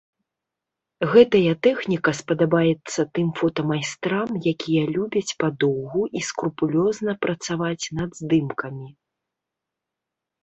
Гэтая тэхніка спадабаецца тым фотамайстрам, якія любяць падоўгу і скрупулёзна працаваць над здымкамі.